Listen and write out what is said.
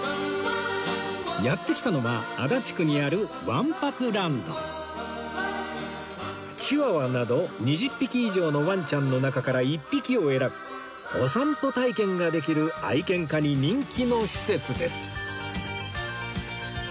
やって来たのは足立区にあるチワワなど２０匹以上のワンちゃんの中から１匹を選びお散歩体験ができる愛犬家に人気の施設です